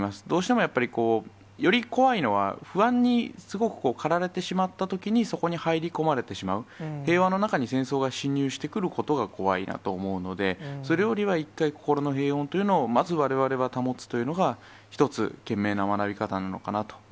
どうしてもやっぱり、より怖いのは、不安にすごく駆られてしまったときに、そこに入り込まれてしまう、平和の中に戦争が侵入してくることが怖いなと思うので、それよりは一回、心の平穏というのを、まずわれわれは保つというのが、一つ、賢明な学び方なのかなと。